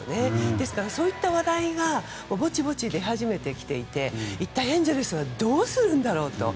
ですから、そういった話題がぼちぼち出始めてきていて一体、エンゼルスはどうするんだろうと。